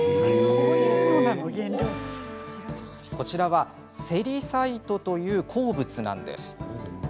こちらは、セリサイトという鉱物なんです。